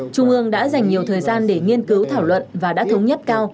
trung ương đã dành nhiều thời gian để nghiên cứu thảo luận và đã thống nhất cao